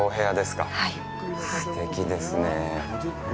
すてきですね。